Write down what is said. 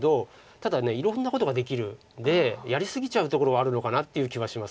ただいろんなことができるんでやり過ぎちゃうところはあるのかなっていう気はします。